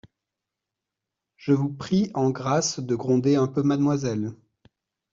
Je vous prie en grâce de gronder un peu mademoiselle.